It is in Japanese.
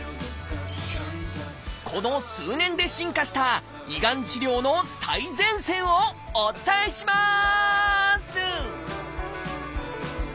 この数年で進化した胃がん治療の最前線をお伝えします！